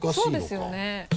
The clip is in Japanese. そうですよね。